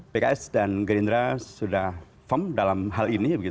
pks dan gerindra sudah firm dalam hal ini